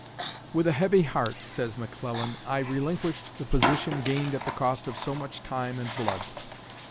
"With a heavy heart," says McClellan, "I relinquished the position gained at the cost of so much time and blood."